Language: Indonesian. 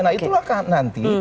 nah itulah kan nanti